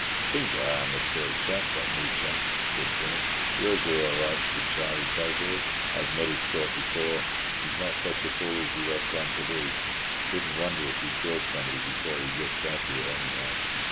"Seems a harmless sort of chap, that new chum," said Pinnock. "He'll do all right," said Charlie casually. "I've met his sort before. He's not such a fool as he lets on to be. Shouldn't wonder if he killed somebody before he gets back here, anyhow."